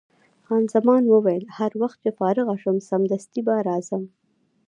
خان زمان وویل: هر وخت چې فارغه شوم، سمدستي به راځم.